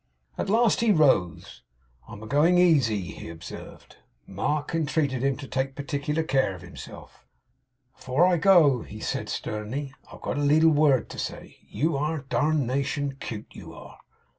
At last he rose. 'I am a going easy,' he observed. Mark entreated him to take particular care of himself. 'Afore I go,' he said sternly, 'I have got a leetle word to say to you. You are darnation 'cute, you are.